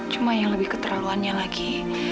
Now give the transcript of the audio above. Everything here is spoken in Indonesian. cuma yang lebih keterlaluannya lagi